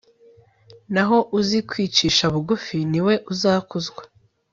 naho uzi kwicisha bugufi, ni we uzakuzwa